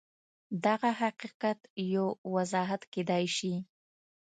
دغه حقیقت یو وضاحت کېدای شي